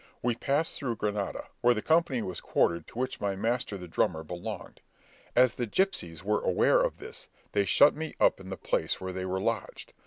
We passed through Granada, where the company was quartered to which my master the drummer belonged. As the gipsies were aware of this, they shut me up in the place where they were lodged.